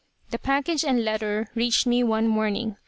"The package and letter reached me one morning.